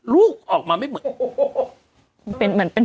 ลูกออกมาไม่เหมือน